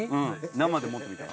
生で持ってみたら？